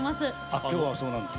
あっ今日はそうなんです。